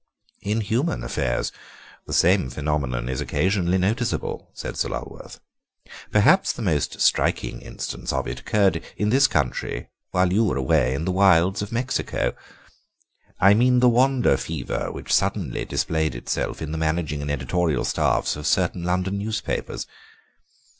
"In human affairs the same phenomenon is occasionally noticeable," said Sir Lulworth; "perhaps the most striking instance of it occurred in this country while you were away in the wilds of Mexico. I mean the wander fever which suddenly displayed itself in the managing and editorial staffs of certain London newspapers.